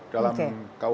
dalam kawasan yang berbeda